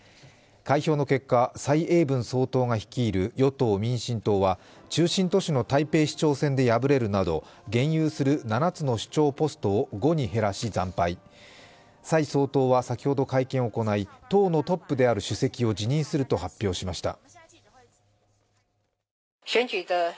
開票の結果、蔡英文総統が率いる与党・民進党は中心都市の台北市長選で破れるなど現有する７つの首長ポストを５に減らし惨敗、蔡総統は先ほど会見を行い、党のトップである主席を辞任すると発表しました。